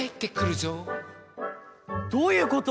どういうこと？